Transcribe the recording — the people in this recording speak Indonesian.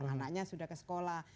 anaknya sudah ke sekolah